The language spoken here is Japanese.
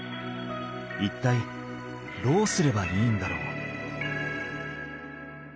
一体どうすればいいんだろう？